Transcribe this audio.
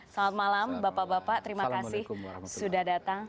selamat malam bapak bapak terima kasih sudah datang